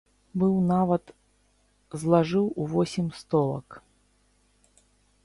Быў нават злажыў у восем столак.